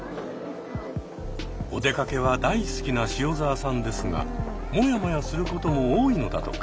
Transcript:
お出かけは大好きな塩澤さんですがモヤモヤすることも多いのだとか。